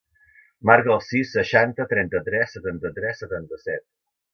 Marca el sis, seixanta, trenta-tres, setanta-tres, setanta-set.